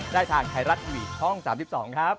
ได้ทางไทยรัฐทีวีช่อง๓๒ครับ